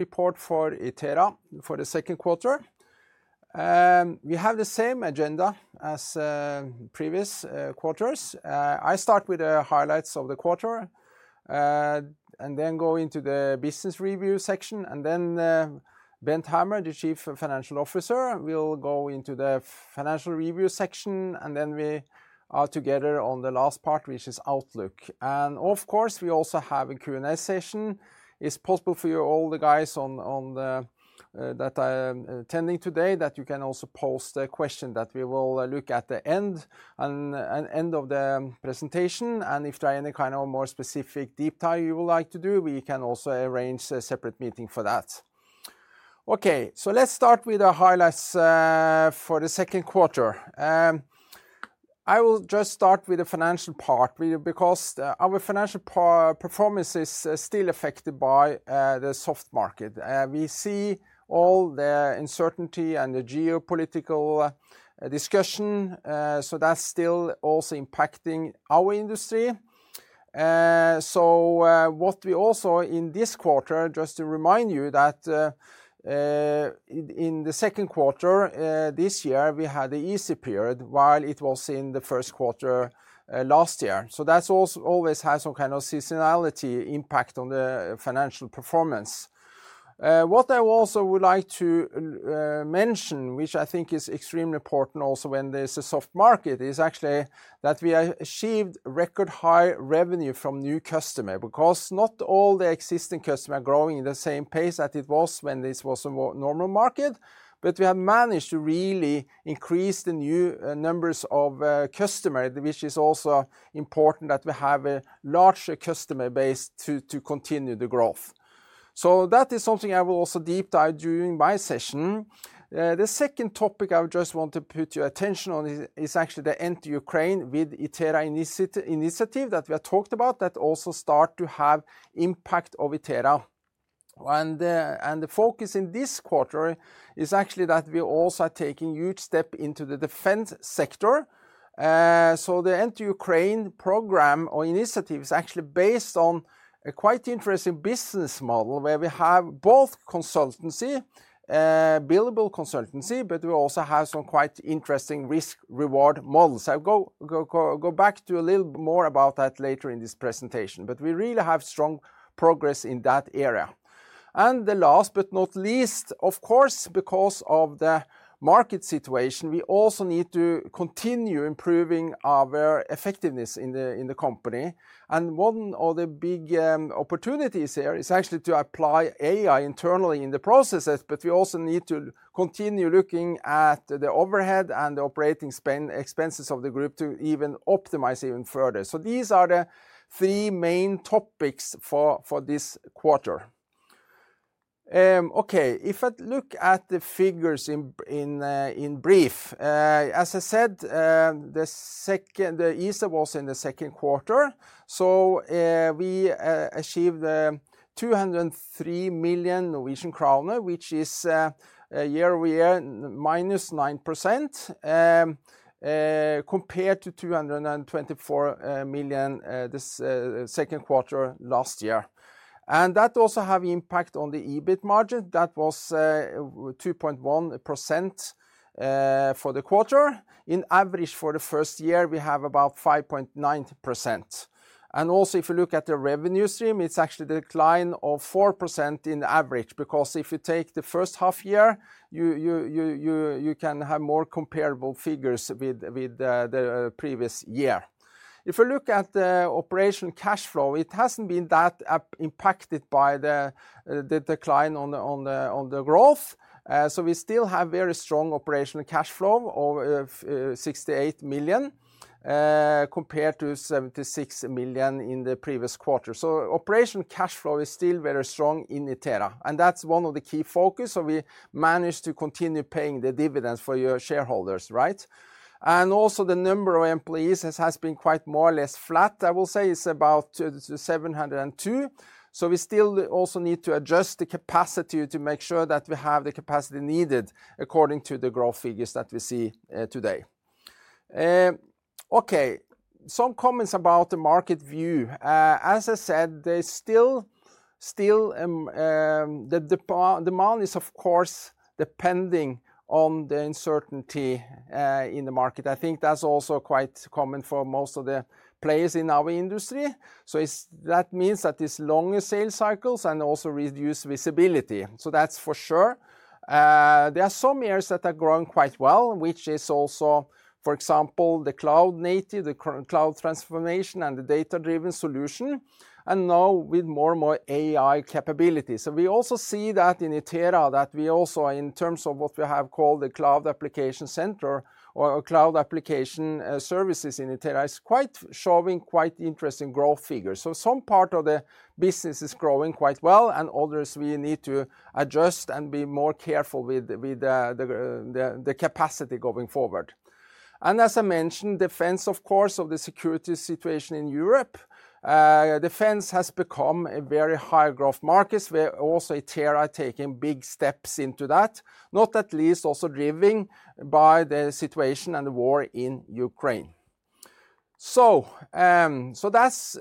Report for Itera for the second quarter. We have the same agenda as previous quarters. I start with the highlights of the quarter and then go into the business review section. Then Bent Hammer, the Chief Financial Officer, will go into the financial review section. We are together on the last part, which is Outlook. Of course, we also have a Q&A session. It's possible for all the guys that are attending today that you can also post a question that we will look at at the end of the presentation. If there are any kind of more specific deep dive you would like to do, we can also arrange a separate meeting for that. Okay, let's start with the highlights for the second quarter. I will just start with the financial part because our financial performance is still affected by the soft market. We see all the uncertainty and the geopolitical discussion. That's still also impacting our industry. What we also see in this quarter, just to remind you that in the second quarter this year, we had an easy period while it was in the first quarter last year. That always has some kind of seasonality impact on the financial performance. What I also would like to mention, which I think is extremely important also when there's a soft market, is actually that we have achieved record high revenue from new customers because not all the existing customers are growing at the same pace as it was when this was a normal market. We have managed to really increase the new numbers of customers, which is also important that we have a larger customer base to continue the growth. That is something I will also deep dive during my session. The second topic I would just want to put your attention on is actually the Enter Ukraine with Itera initiative that we have talked about that also started to have impact on Itera. The focus in this quarter is actually that we also are taking huge steps into the defense sector. The Enter Ukraine program or initiative is actually based on a quite interesting business model where we have both consultancy, billable consultancy, but we also have some quite interesting risk-reward business models. I'll go back to a little more about that later in this presentation. We really have strong progress in that area. Last but not least, of course, because of the market situation, we also need to continue improving our effectiveness in the company. One of the big opportunities here is actually to apply AI integration internally in the processes. We also need to continue looking at the overhead and the operating spend expenses of the group to optimize even further. These are the three main topics for this quarter. If I look at the figures in brief, as I said, the second, the ESA was in the second quarter. We achieved NOK 203 million, which is year-over-year -9% compared to 224 million this second quarter last year. That also has an impact on the EBIT margin. That was 2.1% for the quarter. On average for the first year, we have about 5.9%. If you look at the revenue stream, it's actually a decline of 4% on average because if you take the first half year, you can have more comparable figures with the previous year. If you look at the operational cash flow, it hasn't been that impacted by the decline on the growth. We still have very strong operational cash flow of 68 million compared to 76 million in the previous quarter. Operational cash flow is still very strong in Itera. That's one of the key focuses. We managed to continue paying the dividends for your shareholders, right? The number of employees has been quite more or less flat. I will say it's about 702. We still also need to adjust the capacity to make sure that we have the capacity needed according to the growth figures that we see today. Some comments about the market view. As I said, the demand is, of course, depending on the uncertainty in the market. I think that's also quite common for most of the players in our industry. That means that these longer sales cycles and also reduced visibility. There are some areas that are growing quite well, which is also, for example, the cloud native, the cloud transformation, and the data-driven solution. Now with more and more AI capabilities, we also see that in Itera, that we also, in terms of what we have called the cloud application center or cloud application services in Itera, is showing quite interesting growth figures. Some part of the business is growing quite well and others we need to adjust and be more careful with the capacity going forward. As I mentioned, defense, of course, because of the security situation in Europe. Defense has become a very high growth market. Itera is also taking big steps into that, not at least also driven by the situation and the war in Ukraine. That's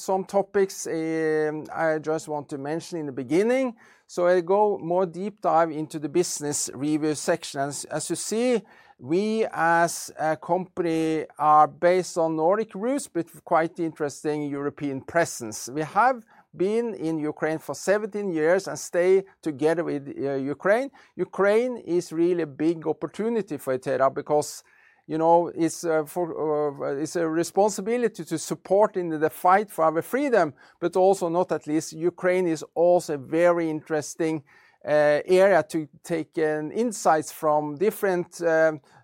some topics I just want to mention in the beginning. I go more deep dive into the business review section. As you see, we as a company are based on Nordic roots, but quite interesting European presence. We have been in Ukraine for 17 years and stayed together with Ukraine. Ukraine is really a big opportunity for Itera because it's a responsibility to support in the fight for our freedom. Not at least, Ukraine is also a very interesting area to take insights from different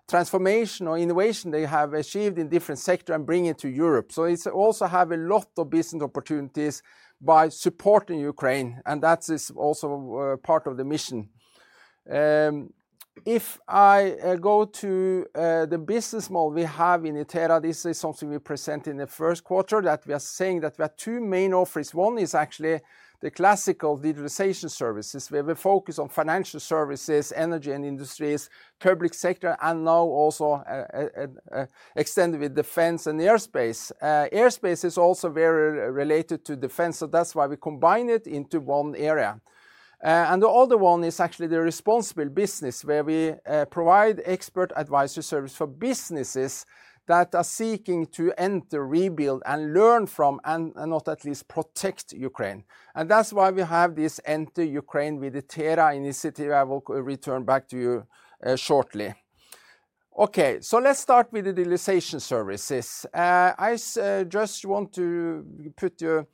transformation or innovation they have achieved in different sectors and bring it to Europe. It also has a lot of business opportunities by supporting Ukraine. That is also part of the mission. If I go to the business model we have in Itera, this is something we presented in the first quarter that we are saying that we have two main offers. One is actually the classical digitization services where we focus on financial services, energy and industries, public sector, and now also extended with defense and airspace. Airspace is also very related to defense, that's why we combine it into one area. The other one is actually the responsible business where we provide expert advisory service for businesses that are seeking to enter, rebuild, and learn from, and not at least protect Ukraine. That's why we have this Enter Ukraine with Itera initiative I will return back to you shortly. Let's start with the digitization services. I just want to put your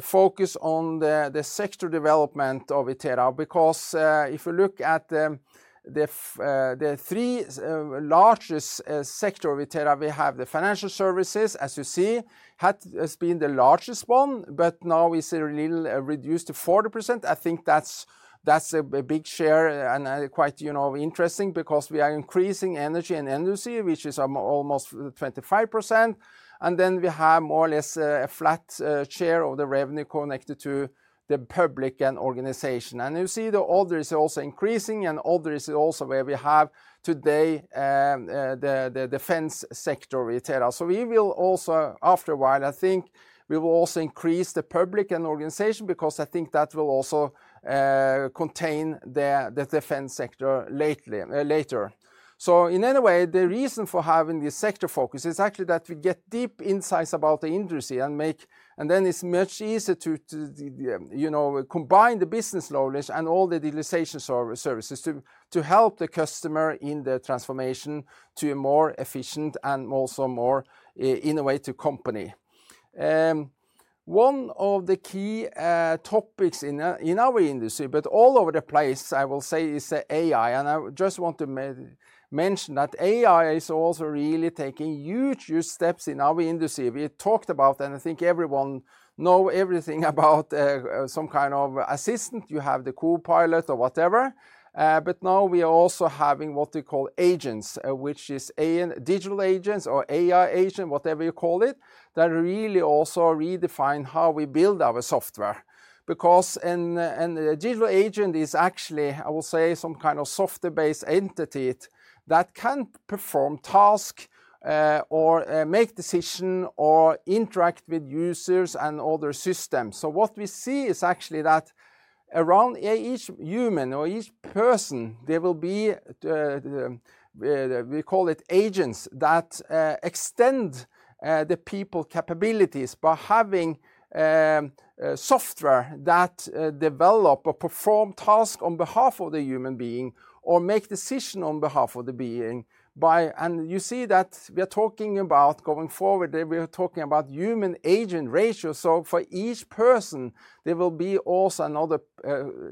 focus on the sector development of Itera because if you look at the three largest sectors of Itera, we have the financial services, as you see, has been the largest one, but now it's a little reduced to 40%. I think that's a big share and quite interesting because we are increasing energy, which is almost 25%. Then we have more or less a flat share of the revenue connected to the public and organization. You see the order is also increasing and order is also where we have today the defense sector of Itera. After a while, I think we will also increase the public and organization because I think that will also contain the defense sector later. In any way, the reason for having this sector focus is actually that we get deep insights about the industry and then it's much easier to combine the business knowledge and all the digitization services to help the customer in the transformation to a more efficient and also more innovative company. One of the key topics in our industry, but all over the place, I will say, is AI. I just want to mention that AI is also really taking huge, huge steps in our industry. We talked about, and I think everyone knows everything about some kind of assistant. You have the co-pilot or whatever. We are also having what we call agents, which is digital agents or AI agents, whatever you call it, that really also redefine how we build our software. A digital agent is actually, I will say, some kind of software-based entity that can perform tasks or make decisions or interact with users and other systems. What we see is actually that around each human or each person, there will be, we call it agents that extend the people capabilities by having software that develops or performs tasks on behalf of the human being or makes decisions on behalf of the being. We are talking about going forward, we are talking about human-agent ratios. For each person, there will be also another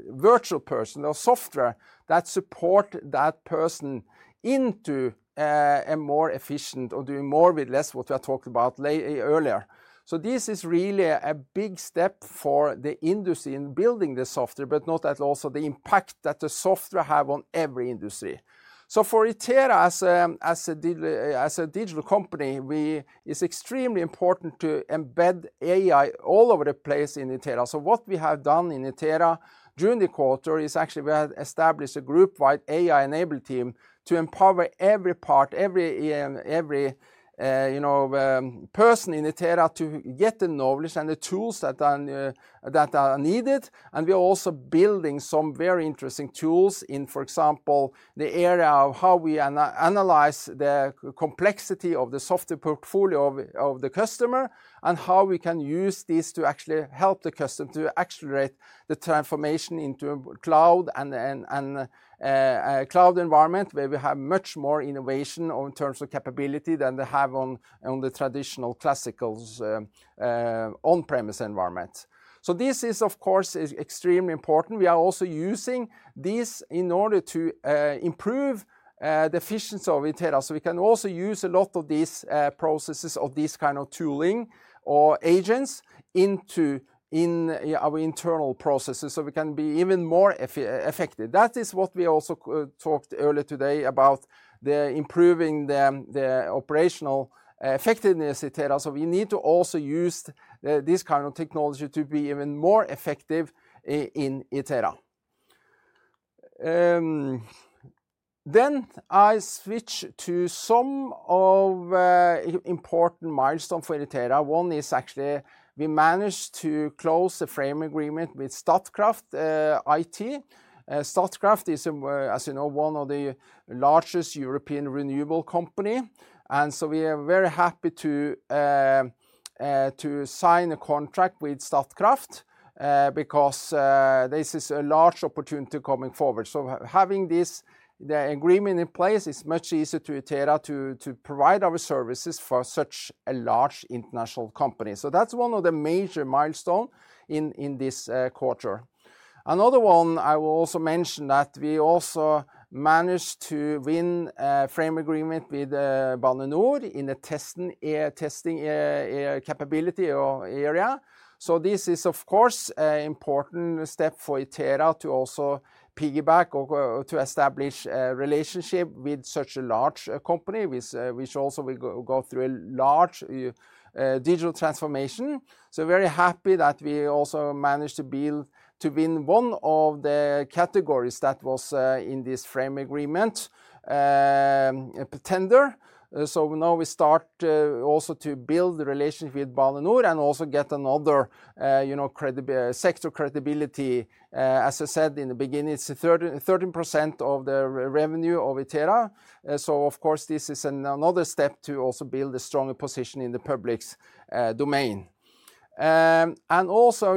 virtual person or software that supports that person into a more efficient or doing more with less, what we talked about earlier. This is really a big step for the industry in building the software, but also the impact that the software has on every industry. For Itera, as a digital company, it's extremely important to embed AI all over the place in Itera. What we have done in Itera during the quarter is actually we have established a group-wide AI-enabled team to empower every part, every person in Itera to get the knowledge and the tools that are needed. We are also building some very interesting tools in, for example, the area of how we analyze the complexity of the software portfolio of the customer and how we can use this to actually help the customer to accelerate the transformation into a cloud environment where we have much more innovation in terms of capability than they have on the traditional classical on-premise environment. This is, of course, extremely important. We are also using this in order to improve the efficiency of Itera. We can also use a lot of these processes of this kind of tooling or agents in our internal processes so we can be even more effective. That is what we also talked earlier today about improving the operational effectiveness of Itera. We need to also use this kind of technology to be even more effective in Itera. I switch to some of the important milestones for Itera. One is actually we managed to close a frame agreement with Statkraft IT. Statkraft is, as you know, one of the largest European renewable companies. We are very happy to sign a contract with Statkraft because this is a large opportunity coming forward. Having this agreement in place is much easier for Itera to provide our services for such a large international company. That's one of the major milestones in this quarter. Another one, I will also mention that we also managed to win a frame agreement with Bane NOR in the testing capability area. This is, of course, an important step for Itera to also piggyback or to establish a relationship with such a large company. We should also go through a large digital transformation. We're very happy that we also managed to build to win one of the categories that was in this frame agreement tender. Now we start also to build a relationship with Bane NOR and also get another sector credibility. As I said in the beginning, it's 13% of the revenue of Itera. This is another step to also build a stronger position in the public domain. I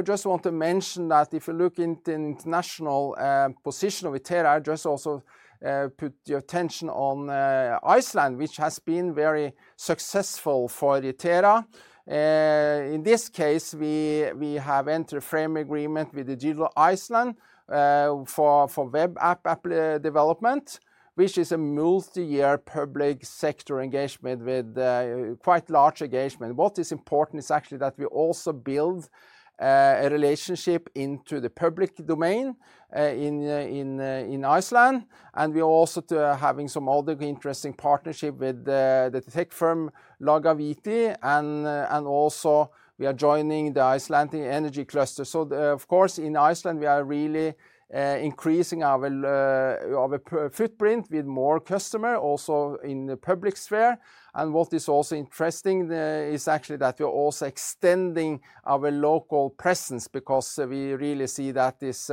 just want to mention that if you look at the international position of Itera, I just also put your attention on Iceland, which has been very successful for Itera. In this case, we have entered a frame agreement with Digital Iceland for web app development, which is a multi-year public sector engagement with quite large engagement. What is important is actually that we also build a relationship into the public domain in Iceland. We are also having some other interesting partnerships with the tech firm Lagaviti. We are joining the Icelandic energy cluster. In Iceland, we are really increasing our footprint with more customers also in the public sphere. What is also interesting is actually that we are also extending our local presence because we really see that this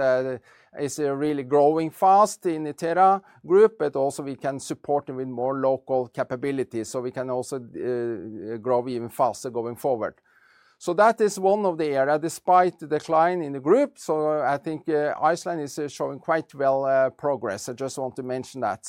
is really growing fast in the Itera group. We can support it with more local capabilities so we can also grow even faster going forward. That is one of the areas, despite the decline in the group. I think Iceland is showing quite well progress. I just want to mention that.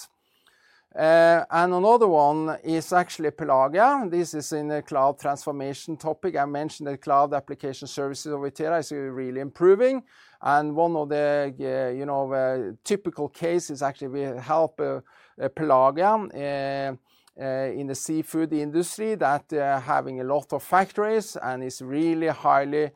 Another one is actually Pelagia. This is in the cloud transformation topic. I mentioned that cloud application services of Itera are really improving. One of the typical cases is actually we help Pelagia in the seafood industry that is having a lot of factories and is really highly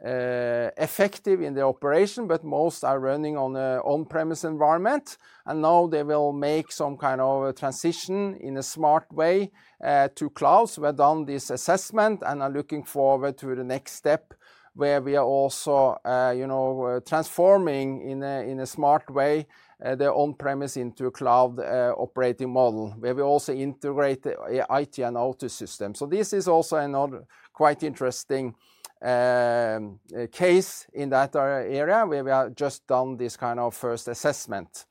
effective in the operation. Most are running on an on-premise environment. Now they will make some kind of transition in a smart way to cloud. We've done this assessment and are looking forward to the next step where we are also transforming in a smart way the on-premise into a cloud operating model where we also integrate IT and OT systems. This is also another quite interesting case in that area where we have just done this kind of first assessment.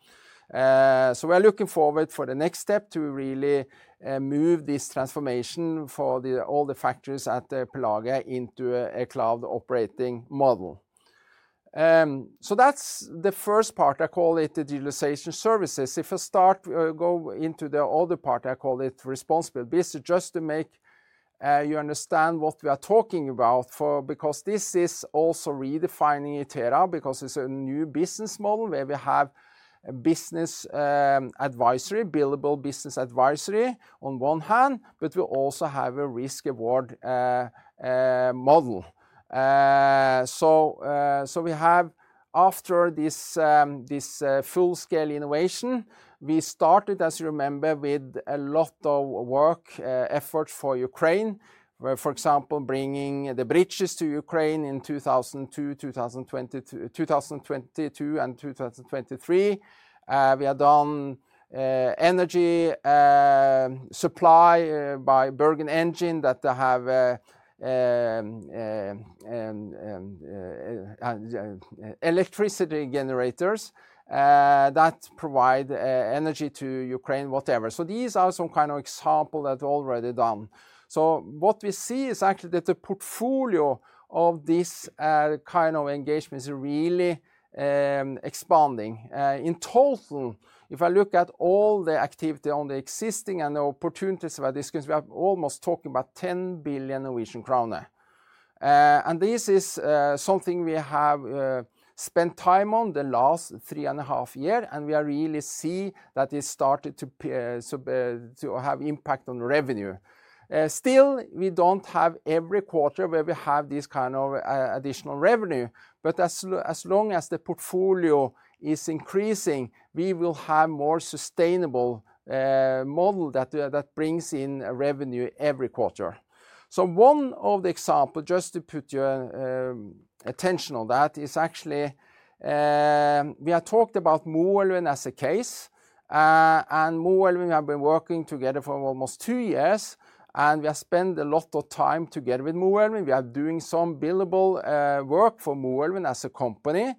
We're looking forward for the next step to really move this transformation for all the factories at Pelagia into a cloud operating model. That's the first part. I call it the digitization services. If I start to go into the other part, I call it responsible business, just to make you understand what we are talking about because this is also redefining Itera because it's a new business model where we have a business advisory, billable business advisory on one hand, but we also have a risk-reward model. After this full-scale innovation, we started, as you remember, with a lot of work effort for Ukraine, for example, bringing the bridges to Ukraine in 2022 and 2023. We have done energy supply by Bergen Engine that they have electricity generators that provide energy to Ukraine, whatever. These are some kind of examples that we've already done. What we see is actually that the portfolio of this kind of engagement is really expanding. In total, if I look at all the activity on the existing and the opportunities we have discussed, we are almost talking about 10 billion Norwegian kroner. This is something we have spent time on the last three and a half years, and we really see that it started to have impact on revenue. Still, we don't have every quarter where we have this kind of additional revenue. As long as the portfolio is increasing, we will have a more sustainable model that brings in revenue every quarter. One of the examples, just to put your attention on that, is actually we have talked about Moelven as a case. Moelven has been working together for almost two years. We have spent a lot of time together with Moelven. We are doing some billable work for Moelven as a company.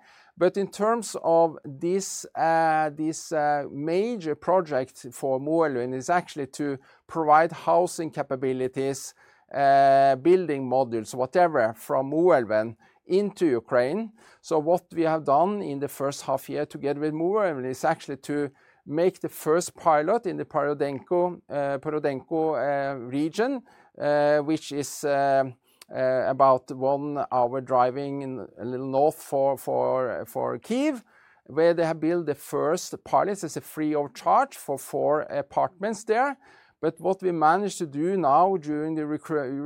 In terms of these major projects for Moelven, it's actually to provide housing capabilities, building modules, whatever, from Moelven into Ukraine. What we have done in the first half year together with Moelven is actually to make the first pilot in the Pyrodenko region, which is about one hour driving a little north of Kyiv, where they have built the first palace. It's free of charge for four apartments there. What we managed to do now during the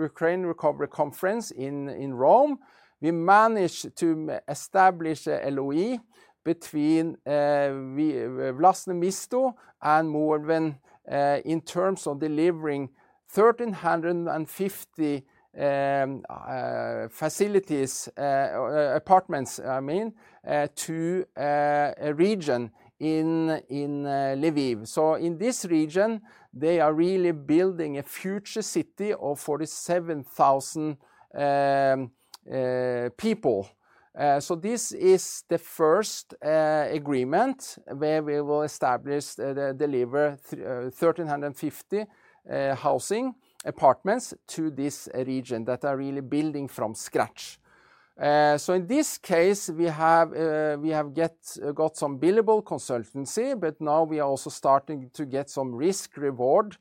Ukraine Recovery Conference in Rome, we managed to establish an LOE between Vlastimisto and Moelven in terms of delivering 1,350 facilities, apartments, I mean, to a region in Lviv. In this region, they are really building a future city of 47,000 people. This is the first agreement where we will establish, deliver 1,350 housing apartments to this region that are really building from scratch. In this case, we have got some billable consultancy, but now we are also starting to get some risk-reward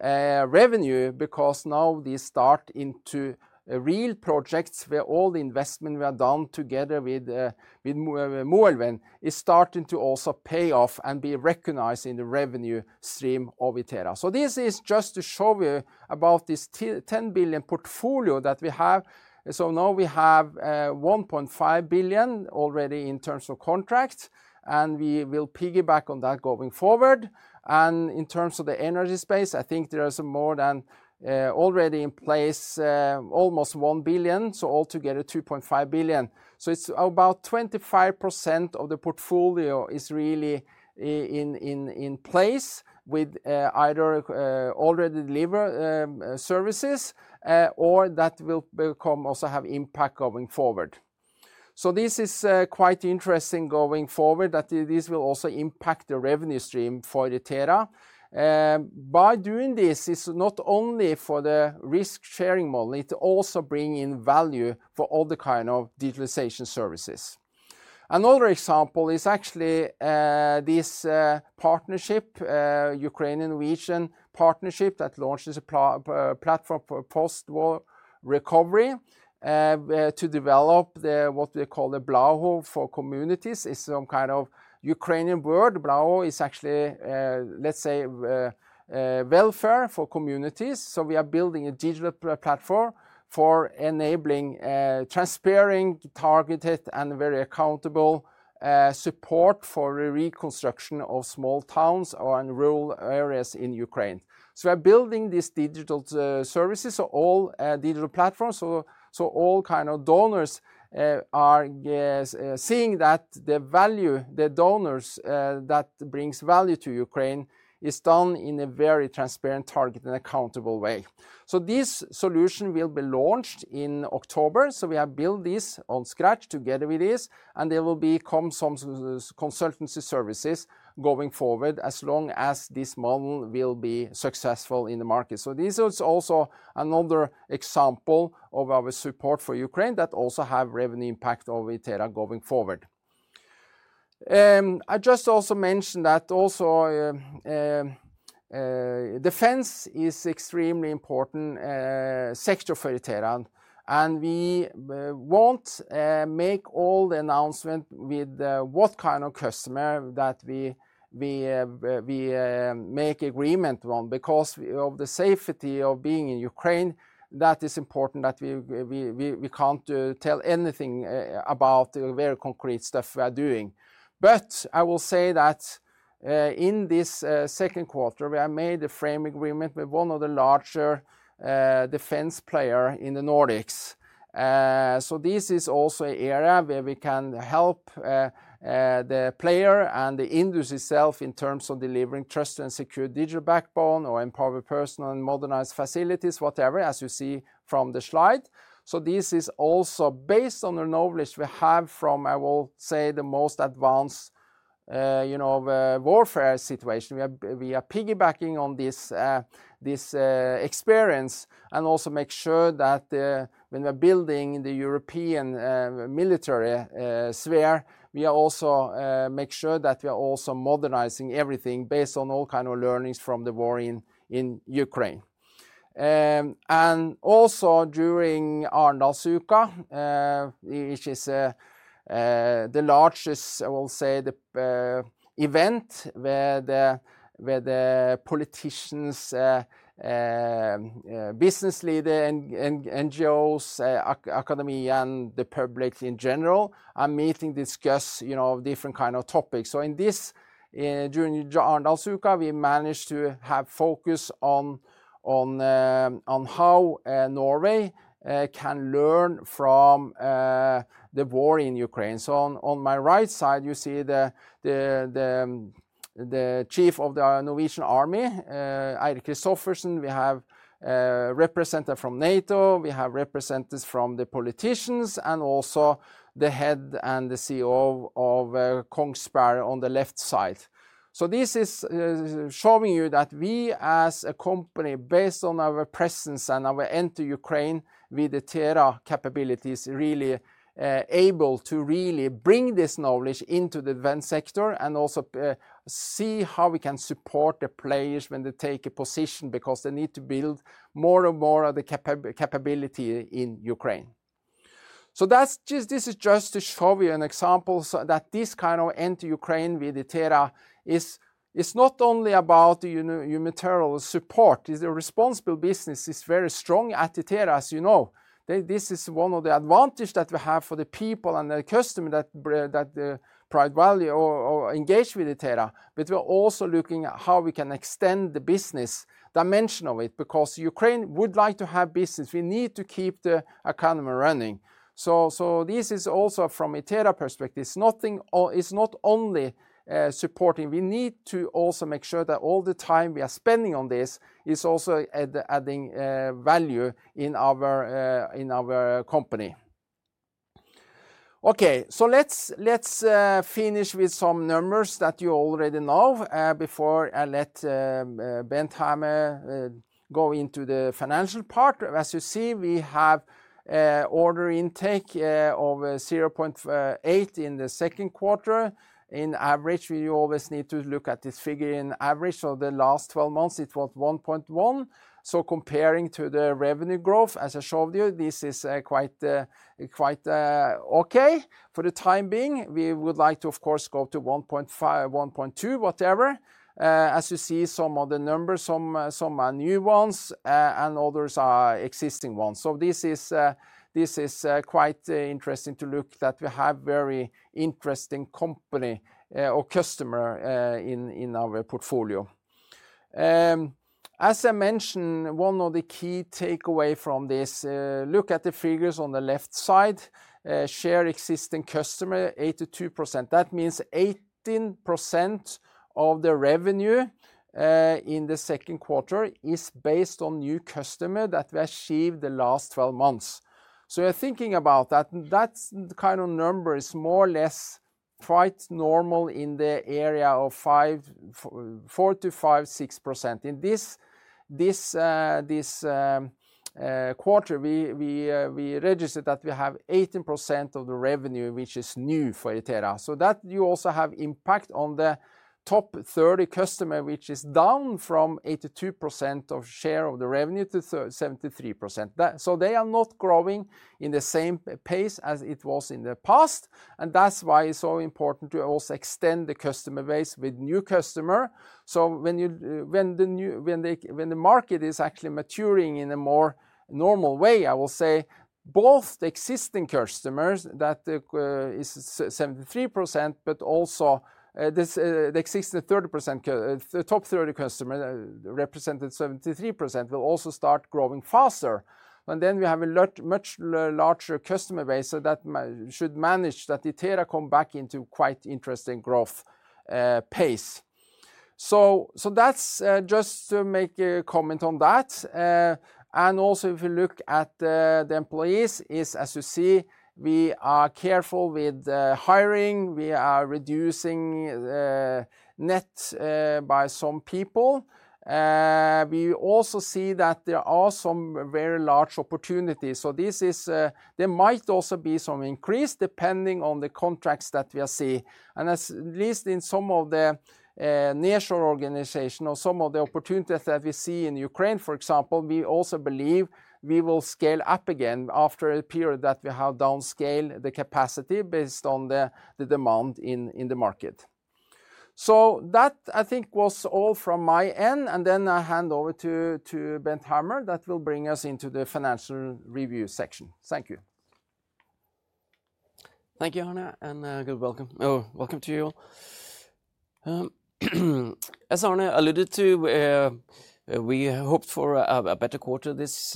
revenue because now these start into real projects where all the investment we have done together with Moelven is starting to also pay off and be recognized in the revenue stream of Itera. This is just to show you about this 10 billion portfolio that we have. Now we have 1.5 billion already in terms of contracts, and we will piggyback on that going forward. In terms of the energy space, I think there is more than already in place, almost 1 billion. Altogether 2.5 billion. It's about 25% of the portfolio is really in place with either already delivered services or that will also have impact going forward. This is quite interesting going forward that this will also impact the revenue stream for Itera. By doing this, it's not only for the risk-sharing model, it's also bringing in value for other kinds of digitization services. Another example is actually this partnership, Ukrainian region partnership that launches a platform for post-war recovery to develop what we call a Blaho for Communities. It's some kind of Ukrainian word. Blaho is actually, let's say, welfare for communities. We are building a digital platform for enabling transparent, targeted, and very accountable support for the reconstruction of small towns and rural areas in Ukraine. We are building these digital services, all digital platforms, so all kinds of donors are seeing that the value, the donors that bring value to Ukraine is done in a very transparent, targeted, and accountable way. This solution will be launched in October. We have built this from scratch together with this, and there will come some consultancy services going forward as long as this model will be successful in the market. This is also another example of our support for Ukraine that also has a revenue impact over Itera going forward. I just also mentioned that defense is an extremely important sector for Itera. We won't make all the announcements with what kind of customer that we make an agreement on because of the safety of being in Ukraine. It is important that we can't tell anything about the very concrete stuff we are doing. I will say that in this second quarter, we have made a framing agreement with one of the larger defense players in the Nordics. This is also an area where we can help the player and the industry itself in terms of delivering trust and secure digital backbone or empower personnel and modernized facilities, whatever, as you see from the slide. This is also based on the knowledge we have from, I will say, the most advanced warfare situation. We are piggybacking on this experience and also make sure that when we are building the European military sphere, we also make sure that we are also modernizing everything based on all kinds of learnings from the war in Ukraine. Also, during Arendalsuka, which is the largest event where the politicians, business leaders, NGOs, academy, and the public in general are meeting to discuss different kinds of topics, we managed to have focus on how Norway can learn from the war in Ukraine. On my right side, you see the Chief of the Norwegian Army, Eirik Kristoffersen. We have representatives from NATO. We have representatives from the politicians and also the Head and the CEO of Kongsberg on the left side. This is showing you that we, as a company, based on our presence and our Enter Ukraine with Itera capabilities, are really able to really bring this knowledge into the defense sector and also see how we can support the players when they take a position because they need to build more and more of the capability in Ukraine. This is just to show you an example that this kind of Enter Ukraine with Itera is not only about the unilateral support. The responsible business is very strong at Itera, as you know. This is one of the advantages that we have for the people and the customer that provide value or engage with Itera. We're also looking at how we can extend the business dimension of it because Ukraine would like to have business. We need to keep the economy running. This is also from Itera perspective. It's not only supporting. We need to also make sure that all the time we are spending on this is also adding value in our company. Okay, let's finish with some numbers that you already know before I let Bent Hammer go into the financial part. As you see, we have an order intake of 0.8 million in the second quarter. On average, you always need to look at this figure as an average of the last 12 months. It was 1.1 million. Comparing to the revenue growth, as I showed you, this is quite okay. For the time being, we would like to, of course, go to 1.5 million, 1.2 million, whatever. As you see, some of the numbers, some are new ones and others are existing ones. This is quite interesting to look at that we have a very interesting company or customer in our portfolio. As I mentioned, one of the key takeaways from this, look at the figures on the left side. Share existing customer, 82%. That means 18% of the revenue in the second quarter is based on new customers that we achieved the last 12 months. We are thinking about that. That kind of number is more or less quite normal in the area of 4%-5%, 6%. In this quarter, we registered that we have 18% of the revenue, which is new for Itera. That also has impact on the top 30 customers, which is down from 82% of share of the revenue to 73%. They are not growing at the same pace as it was in the past. That's why it's so important to also extend the customer base with new customers. When the market is actually maturing in a more normal way, I will say both the existing customers that is 73%, but also the existing 30%, the top 30 customers represented 73% will also start growing faster. We have a much larger customer base that should manage that Itera comes back into quite interesting growth pace. That's just to make a comment on that. If we look at the employees, as you see, we are careful with hiring. We are reducing net by some people. We also see that there are some very large opportunities. There might also be some increase depending on the contracts that we see. At least in some of the national organizations or some of the opportunities that we see in Ukraine, for example, we also believe we will scale up again after a period that we have downscaled the capacity based on the demand in the market. I think that was all from my end. I hand over to Bent Hammer. That will bring us into the financial review section. Thank you. Thank you, Arne, and good welcome. Oh, welcome to you. As Arne alluded to, we hoped for a better quarter this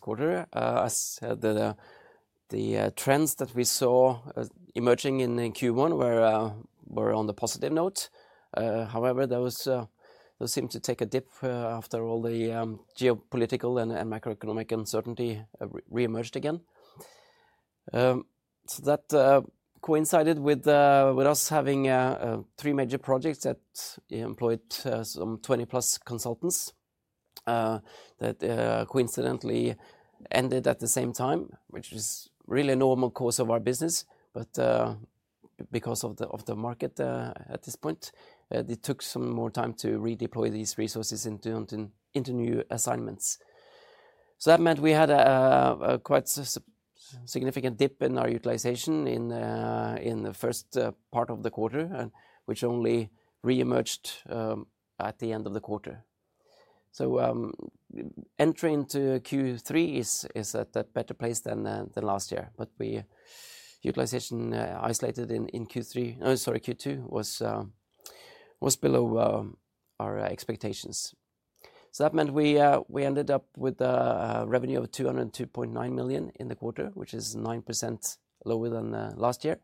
quarter. I said that the trends that we saw emerging in Q1 were on the positive note. However, those seemed to take a dip after all the geopolitical and macroeconomic uncertainty reemerged again. That coincided with us having three major projects that employed some 20+ consultants that coincidentally ended at the same time, which is really a normal course of our business. Because of the market at this point, it took some more time to redeploy these resources into new assignments. That meant we had a quite significant dip in our utilization in the first part of the quarter, which only reemerged at the end of the quarter. Entering into Q3 is at a better place than last year. The utilization isolated in Q3, sorry, Q2 was below our expectations. That meant we ended up with a revenue of 202.9 million in the quarter, which is 9% lower than last year.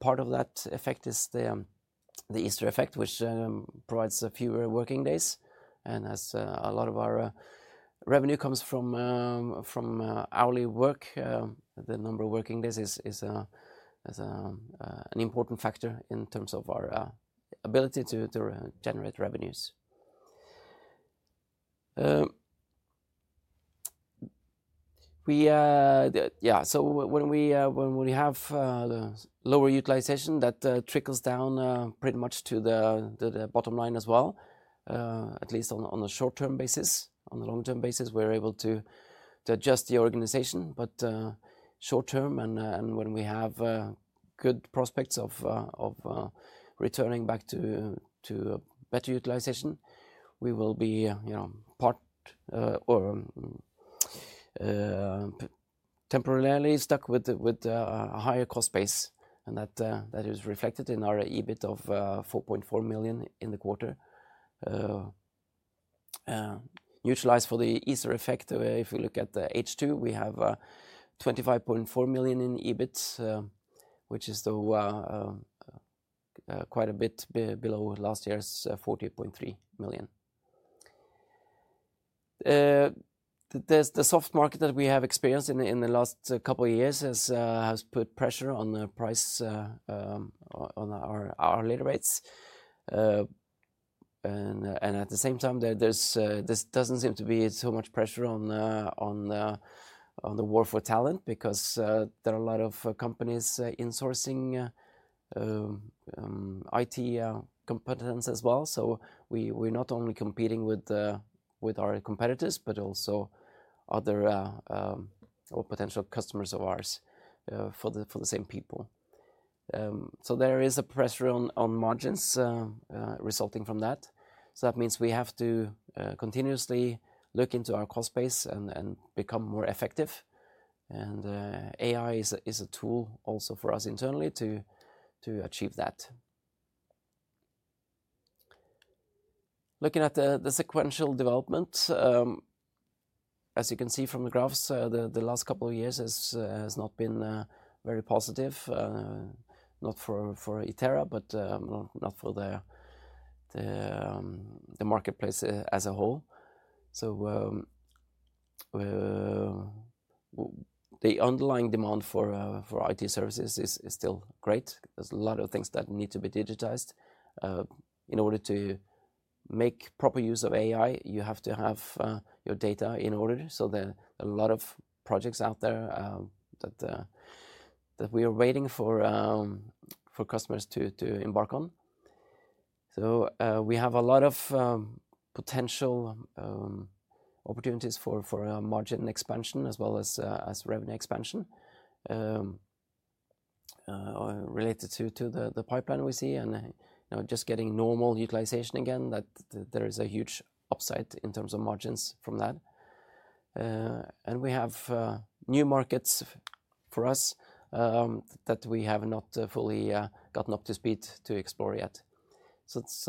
Part of that effect is the Easter effect, which provides fewer working days. As a lot of our revenue comes from hourly work, the number of working days is an important factor in terms of our ability to generate revenues. When we have the lower utilization, that trickles down pretty much to the bottom line as well, at least on a short-term basis. On a long-term basis, we're able to adjust the organization. Short-term, and when we have good prospects of returning back to better utilization, we will be temporarily stuck with a higher cost base. That is reflected in our EBIT of 4.4 million in the quarter. Neutralized for the Easter effect, if you look at the H2, we have 25.4 million in EBIT, which is quite a bit below last year's 40.3 million. The soft market that we have experienced in the last couple of years has put pressure on our leader rates. At the same time, there doesn't seem to be so much pressure on the war for talent because there are a lot of companies insourcing IT competitors as well. We're not only competing with our competitors, but also other potential customers of ours for the same people. There is a pressure on margins resulting from that. That means we have to continuously look into our cost base and become more effective. AI is a tool also for us internally to achieve that. Looking at the sequential development, as you can see from the graphs, the last couple of years have not been very positive, not for Itera, but not for the marketplace as a whole. The underlying demand for IT services is still great. There's a lot of things that need to be digitized. In order to make proper use of AI, you have to have your data in order. There are a lot of projects out there that we are waiting for customers to embark on. We have a lot of potential opportunities for margin expansion as well as revenue expansion related to the pipeline we see. Just getting normal utilization again, there is a huge upside in terms of margins from that. We have new markets for us that we have not fully gotten up to speed to explore yet.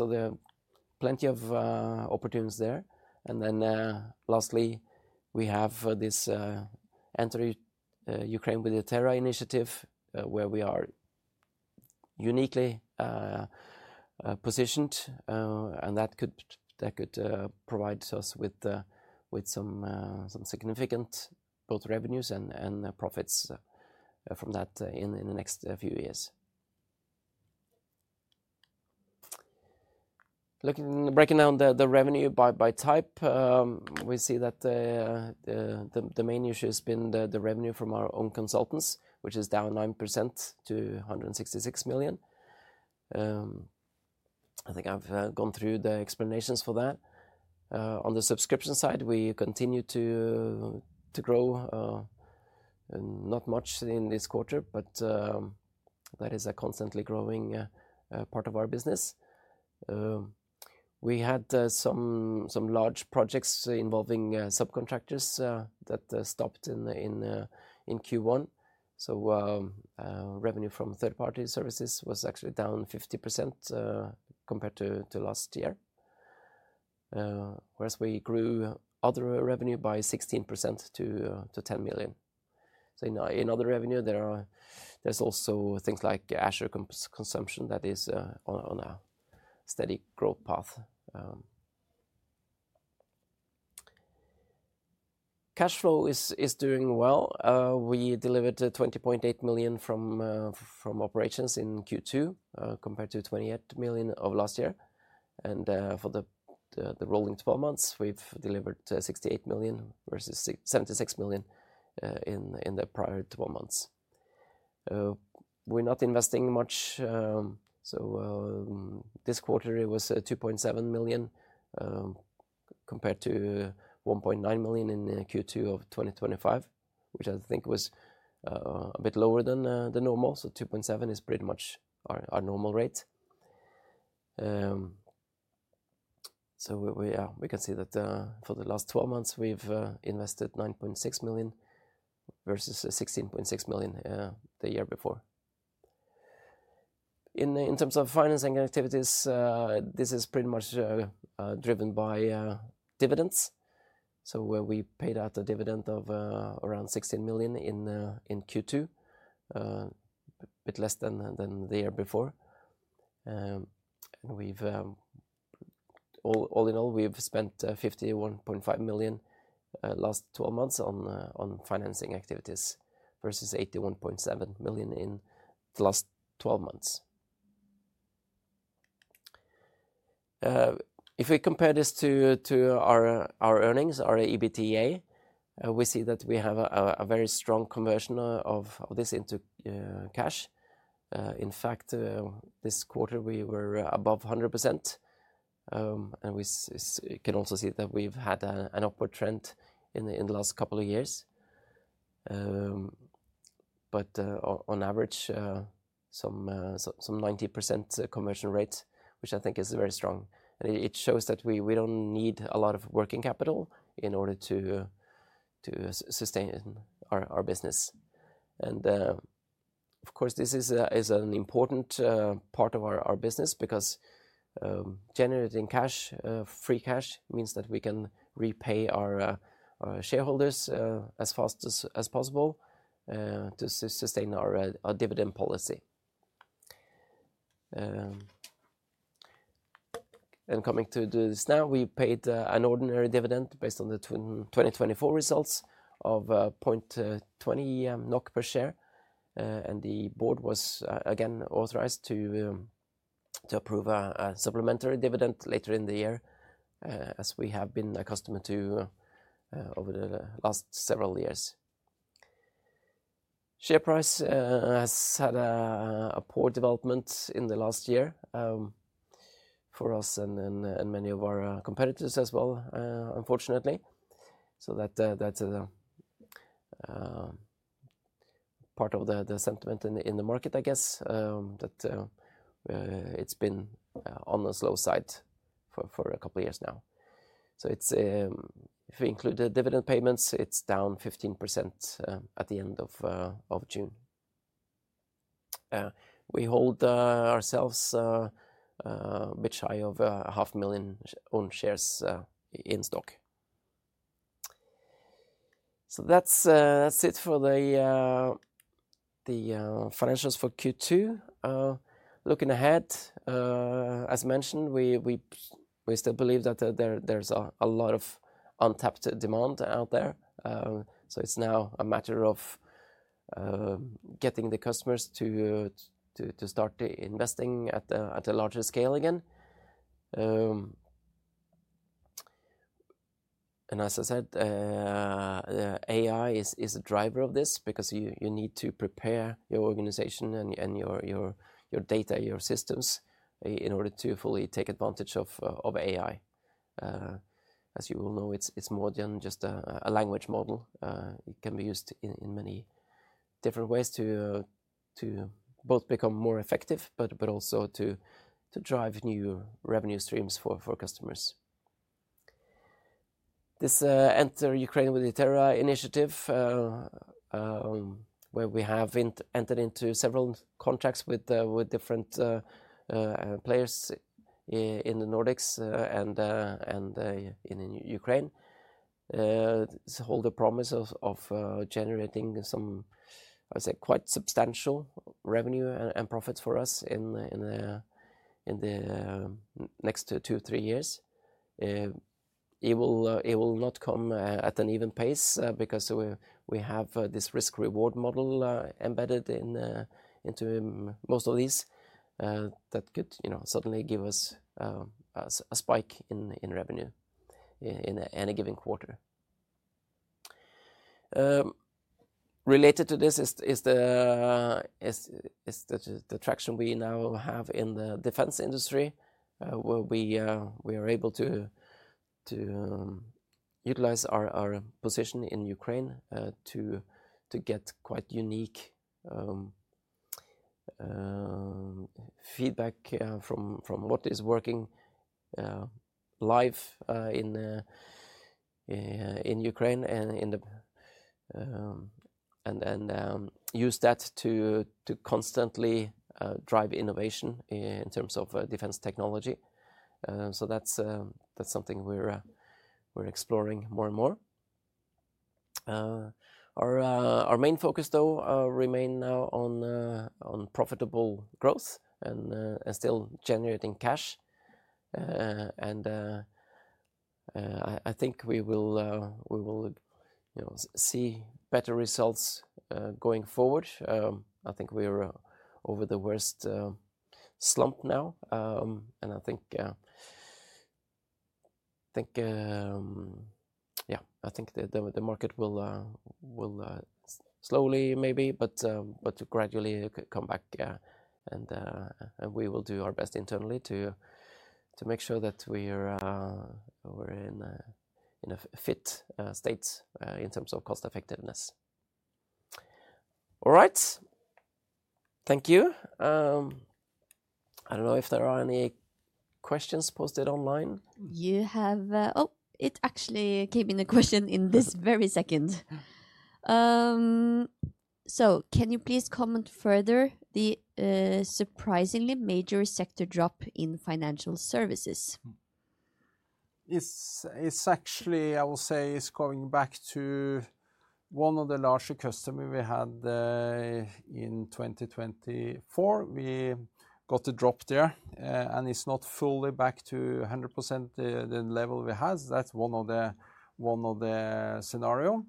There are plenty of opportunities there. Lastly, we have this Enter Ukraine with Itera initiative where we are uniquely positioned. That could provide us with some significant both revenues and profits from that in the next few years. Looking at breaking down the revenue by type, we see that the main issue has been the revenue from our own consultants, which is down 9% to 166 million. I think I've gone through the explanations for that. On the subscription side, we continue to grow, not much in this quarter, but that is a constantly growing part of our business. We had some large projects involving subcontractors that stopped in Q1. Revenue from third-party services was actually down 50% compared to last year, whereas we grew other revenue by 16% to 10 million. In other revenue, there are also things like Azure consumption that is on a steady growth path. Cash flow is doing well. We delivered 20.8 million from operations in Q2 compared to 28 million of last year. For the rolling 12 months, we've delivered 68 million versus 76 million in the prior 12 months. We're not investing much. This quarter, it was 2.7 million compared to 1.9 million in Q2 of 2023, which I think was a bit lower than the normal. 2.7 million is pretty much our normal rate. For the last 12 months, we've invested 9.6 million versus 16.6 million the year before. In terms of financing activities, this is pretty much driven by dividends. We paid out a dividend of around 16 million in Q2, a bit less than the year before. All in all, we've spent 51.5 million in the last 12 months on financing activities versus 81.7 million in the last 12 months. If we compare this to our earnings, our EBITDA, we see that we have a very strong conversion of this into cash. In fact, this quarter, we were above 100%. We can also see that we've had an upward trend in the last couple of years. On average, some 90% conversion rate, which I think is very strong. It shows that we don't need a lot of working capital in order to sustain our business. This is an important part of our business because generating cash, free cash, means that we can repay our shareholders as fast as possible to sustain our dividend policy. Coming to this now, we paid an ordinary dividend based on the 2024 results of 0.20 NOK per share. The board was again authorized to approve a supplementary dividend later in the year, as we have been accustomed to over the last several years. Share price has had a poor development in the last year for us and many of our competitors as well, unfortunately. That is part of the sentiment in the market, I guess, that it's been on the slow side for a couple of years now. If we include the dividend payments, it's down 15% at the end of June. We hold ourselves a bit shy of a half million owned shares in stock. That's it for the financials for Q2. Looking ahead, as mentioned, we still believe that there's a lot of untapped demand out there. It's now a matter of getting the customers to start investing at a larger scale again. As I said, AI is a driver of this because you need to prepare your organization and your data and your systems in order to fully take advantage of AI. As you all know, it's more than just a language model. It can be used in many different ways to both become more effective, but also to drive new revenue streams for customers. This entire Enter Ukraine with Itera initiative where we have entered into several contracts with different players in the Nordics and in Ukraine holds the promise of generating some, I would say, quite substantial revenue and profits for us in the next two or three years. It will not come at an even pace because we have this risk-reward business model embedded into most of these that could suddenly give us a spike in revenue in any given quarter. Related to this is the traction we now have in the defense industry where we are able to utilize our position in Ukraine to get quite unique feedback from what is working live in Ukraine and use that to constantly drive innovation in terms of defense technology. That's something we're exploring more and more. Our main focus, though, remains now on profitable growth and still generating cash. I think we will see better results going forward. I think we're over the worst slump now. I think the market will slowly, maybe, but gradually come back. We will do our best internally to make sure that we're in a fit state in terms of cost effectiveness. All right. Thank you. I don't know if there are any questions posted online. It actually came in a question in this very second. Can you please comment further the surprisingly major sector drop in financial services? Yes. It's actually, I will say, it's going back to one of the larger customers we had in 2024. We got a drop there, and it's not fully back to 100% the level we had. That's one of the scenarios.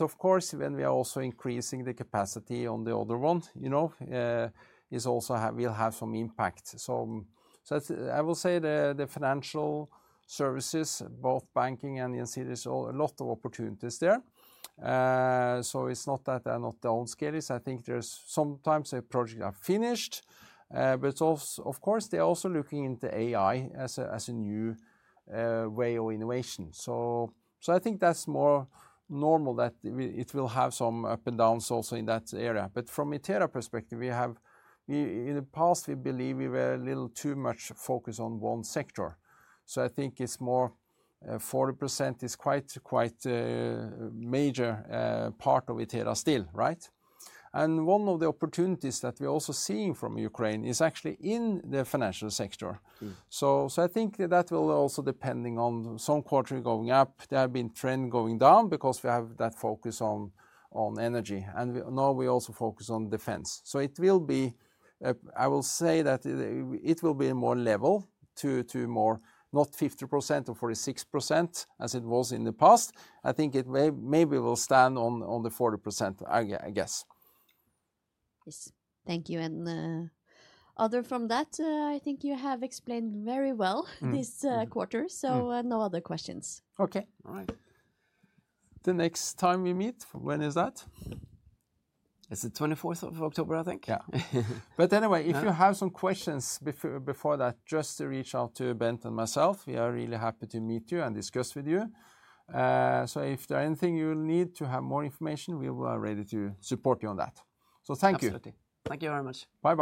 Of course, when we are also increasing the capacity on the other one, you know, it also will have some impact. I will say the financial services, both banking and NCDs, a lot of opportunities there. It's not that they're not downscaling. I think there's sometimes a project that's finished, but they're also looking into AI integration as a new way of innovation. I think that's more normal that it will have some up and downs also in that area. From Itera's perspective, we have in the past, we believe we were a little too much focused on one sector. I think it's more 40% is quite a major part of Itera still, right? One of the opportunities that we're also seeing from Ukraine is actually in the financial sector. I think that will also, depending on some quarter going up, there have been trends going down because we have that focus on energy. Now we also focus on defense. It will be, I will say that it will be more level to more not 50% or 46% as it was in the past. I think it maybe will stand on the 40%, I guess. Thank you. Other than that, I think you have explained very well this quarter. No other questions. All right. The next time we meet, when is that? Is it the 24th of October, I think? Yeah. If you have some questions before that, just reach out to Bent and myself. We are really happy to meet you and discuss with you. If there's anything you need to have more information, we are ready to support you on that. Thank you. Absolutely. Thank you very much. Bye-bye.